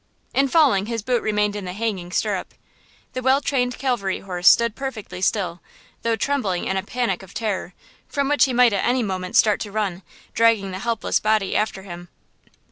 In falling his boot remained in the hanging stirrup. The well trained calvary horse stood perfectly still, though trembling in a panic of terror, from which he might at any moment start to run, dragging the helpless body after him.